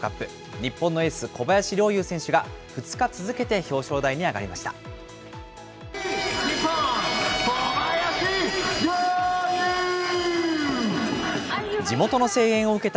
日本のエース、小林陵侑選手が２日続けて表彰台に上がりました。